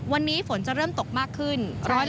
วันนี้ฝนจะเริ่มตกมากขึ้น